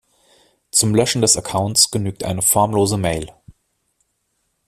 Zum Löschen des Accounts genügt eine formlose Mail.